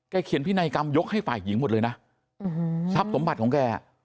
เขียนพินัยกรรมยกให้ฝ่ายหญิงหมดเลยนะทรัพย์สมบัติของแก